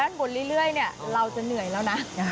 บนเรื่อยเราจะเหนื่อยแล้วนะ